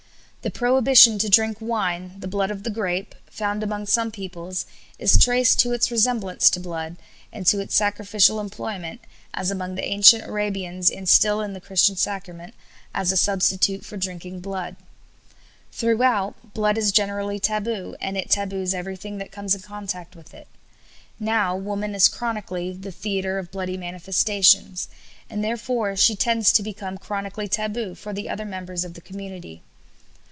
The prohibition to drink wine, the blood of the grape, found among some peoples, is traced to its resemblance to blood, and to its sacrificial employment (as among the ancient Arabians and still in the Christian sacrament) as a substitute for drinking blood. Throughout, blood is generally taboo, and it taboos everything that comes in contact with it. Now woman is chronically "the theatre of bloody manifestations," and therefore she tends to become chronically taboo for the other members of the community.